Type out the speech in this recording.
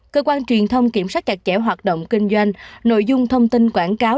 cơ quan truyền thông kiểm soát chặt chẽ hoạt động kinh doanh nội dung thông tin quảng cáo